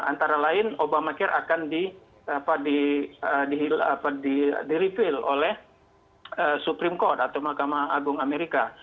antara lain obamacare akan di repel oleh supreme court atau mahkamah agung amerika